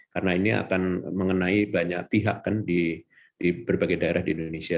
karena ini akan mengenai banyak pihak kan di berbagai daerah di indonesia